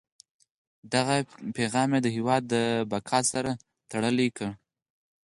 دغه پیغام یې د هیواد د بقا سره تړلی ګاڼه.